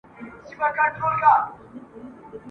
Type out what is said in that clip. سي به څرنګه په کار د غلیمانو ..